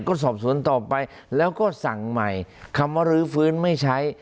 ก็สอบสวนต่อไปแล้วก็สั่งใหม่คำว่ารื้อฟื้นไม่ใช้